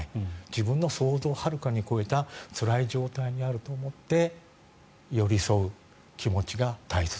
自分の想像をはるかに超えたつらい状態にあると思って寄り添う気持ちが大切。